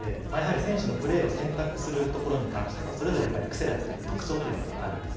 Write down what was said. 選手のプレーを選択することに関しては癖だったり特徴があるんです。